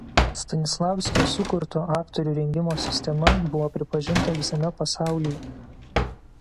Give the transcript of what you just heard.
Stanislavskio sukurto aktorių rengimo sistema buvo pripažinta visame pasaulyje.